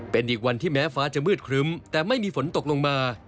เป็นอีกวันที่แม้ฟ้าจะมืดครึ้มแต่ไม่มีฝนตกลงมา